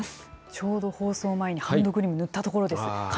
ちょうど放送前に、ハンドクリーム塗ったところです。